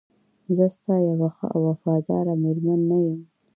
زه ستا یوه ښه او وفاداره میرمن نه یم؟